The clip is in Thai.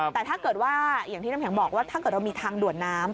แต่ถ้าเกิดว่าอย่างที่น้ำแข็งบอกว่าถ้าเกิดเรามีทางด่วนน้ำ